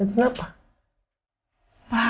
jangan ngetok besch